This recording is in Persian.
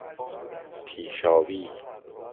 پیشیابی